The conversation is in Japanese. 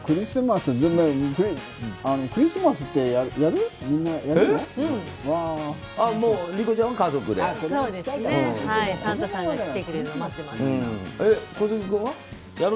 クリスマスってみんなやる？